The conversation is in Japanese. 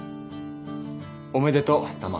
おめでとうタマ。